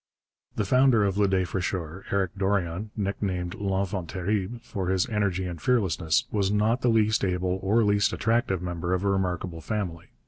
The founder of Le Défricheur, Eric Dorion, nicknamed L'Enfant Terrible for his energy and fearlessness, was not the least able or least attractive member of a remarkable family.